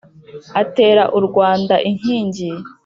atera u rwanda inkingi